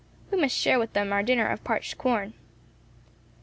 We must share with them our dinner of parched corn."